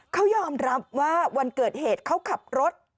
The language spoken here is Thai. เขายอมรับว่าวันเกิดเหตุเขาขับรถ